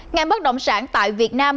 ngành bất động sản tại việt nam